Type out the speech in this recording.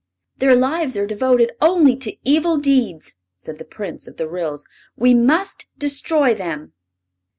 "Their lives are devoted only to evil deeds," said the Prince of the Ryls. "We must destroy them."